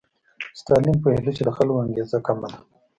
ستالین پوهېده چې د خلکو انګېزه کمه ده.